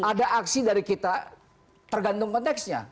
ada aksi dari kita tergantung konteksnya